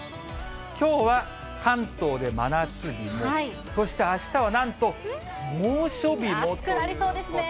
きょうは関東で真夏日も、そしてあしたはなんと猛暑日もというこ暑くなりそうですね。